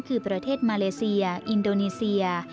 คือประเทศมาเลเซียอินโดนีเซีย